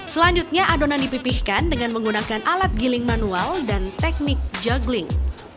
selanjutnya adonan dipipihkan dengan menggunakan alat giling manual dan teknik juggling